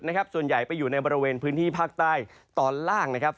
ส่วนใหญ่ไปอยู่ในบริเวณพื้นที่ภาคใต้ตอนล่างนะครับ